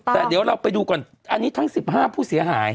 แต่เดี๋ยวเราไปดูก่อนอันนี้ทั้ง๑๕ผู้เสียหาย